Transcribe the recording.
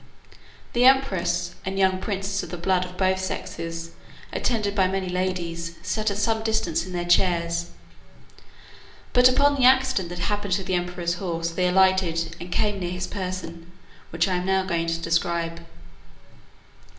The empress, and young princes of the blood of both sexes, attended by many ladies, sat at some distance in their chairs; but upon the accident that happened to the emperor's horse, they alighted, and came near his person, which I am now going to describe.